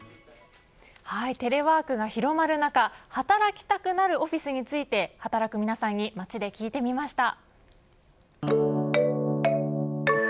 テレワークが広まる中働きたくなるオフィスについて働く皆さんに街で聞いてみました。